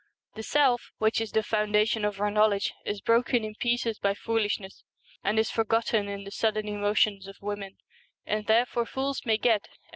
The self, which is the foundation of our know ledge, is broken in pieces by foolishness, and is forgotten in the sudden emotions of women, and therefore fools may get, and.